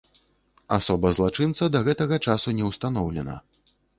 Асоба злачынца да гэтага часу не ўстаноўлена.